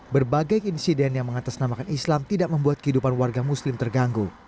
berbagai insiden yang mengatasnamakan islam tidak membuat kehidupan warga muslim terganggu